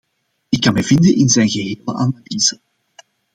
Ik kan mij vinden in zijn gehele analyse.